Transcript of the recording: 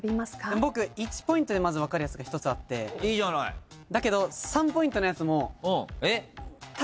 僕１ポイントで分かるやつが１つあってだけど３ポイントのやつも。